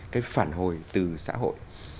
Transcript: cái phản hồi từ xã hội